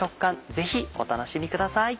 ぜひお楽しみください。